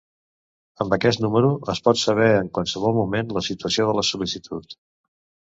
Amb aquest número es pot saber en qualsevol moment la situació de la sol·licitud.